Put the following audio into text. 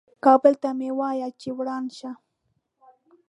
کابل ته مه وایه چې وران شه .